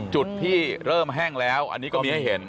จุดที่เริ่มแห้งแล้วอันนี้ก็มีให้เห็น